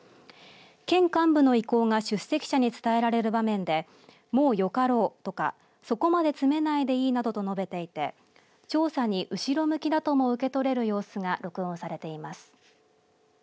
県幹部の意向が出席者に伝えられる場面でもうよかろうとかそこまで詰めないでいいなどと述べていて調査に後ろ向きだとも受け取れる様子が録音されています。